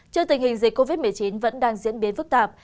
trước tình hình dịch covid một mươi chín vẫn đang diễn biến phức tạp